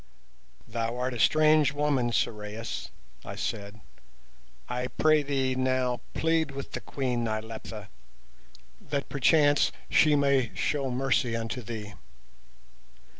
"Thou art a strange woman, Sorais," I said; "I pray thee now plead with the Queen Nyleptha, that perchance she may show mercy unto thee."